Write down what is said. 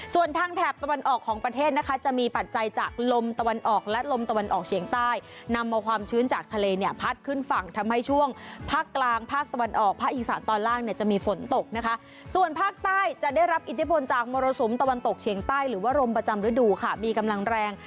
ส่วนทางแถบตะวันออกของประเทศนะคะจะมีปัจจัยจากลมตะวันออกและลมตะวันออกเฉียงใต้นำเอาความชื้นจากทะเลเนี่ยพัดขึ้นฝั่งทำให้ช่วงภาคกลางภาคตะวันออกภาคอีสานตอนล่างเนี่ยจะมีฝนตกนะคะส่วนภาคใต้จะได้รับอิทธิพลจากมรสุมตะวันตกเฉียงใต้หรือว่าลมประจำฤดูค่ะมีกำลังแรง